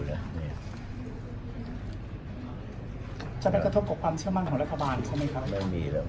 จะไม่กระทบกับความเชื่อมั่งของรัฐบาลใช่ครับ